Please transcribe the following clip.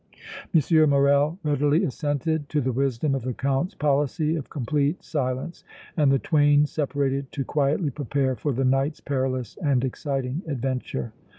M. Morrel readily assented to the wisdom of the Count's policy of complete silence, and the twain separated to quietly prepare for the night's perilous and exciting adventure.